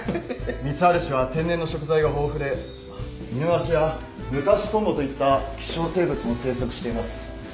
光原市は天然の食材が豊富でイヌワシやムカシトンボといった希少生物も生息しています。